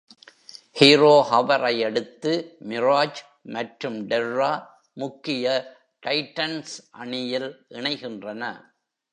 "Zero hour" ஐ அடுத்து, Mirage மற்றும் டெர்ரா முக்கிய டைட்டன்ஸ் அணியில் இணைகின்றன.